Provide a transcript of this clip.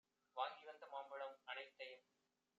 வாங்கி வந்த மாம்பழம் அனைத்தையும்